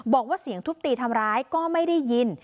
บอกว่าเสียงทุบตีทำร้ายก็ไม่ได้ยิน